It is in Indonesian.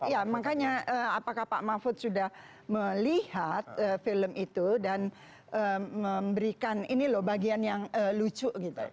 ya makanya apakah pak mahfud sudah melihat film itu dan memberikan ini loh bagian yang lucu gitu